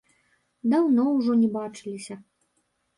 Даўно ўжо не бачыліся.